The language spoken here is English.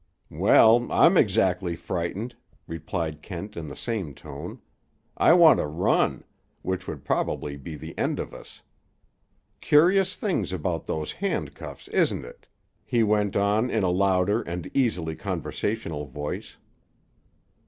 "Well, I'm exactly frightened," replied Kent in the same tone. "I want to run—which would probably be the end of us. Curious things about those handcuffs, isn't it?" he went on in a louder and easily conversational voice.